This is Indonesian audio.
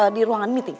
di ruangan meeting ya